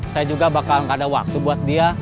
saya juga bakal gak ada waktu buat dia